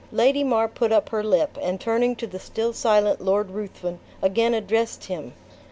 Lady mar put up her lip, and turning to the still silent Lord Ruthven, again addressed him.